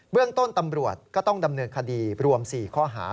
เรื่องต้นตำรวจก็ต้องดำเนินคดีรวม๔ข้อหา